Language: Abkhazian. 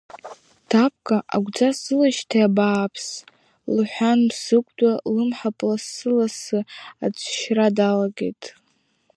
Тапка, агәӡа сзылашьҭи, абааԥс, — лҳәан Мсыгәда лымҳаԥ лассы-лассы аҵшьра далагеит.